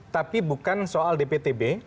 tapi bukan soal dptb